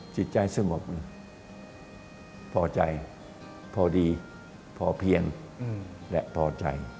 จิตใจสงบเลยพอใจพอดีพอเพียงและพอใจ